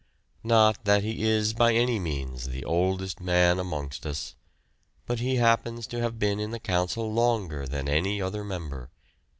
Not that he is by any means the oldest man amongst us, but he happens to have been in the Council longer than any other member.